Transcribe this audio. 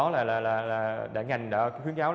là ngành đã khuyến kháo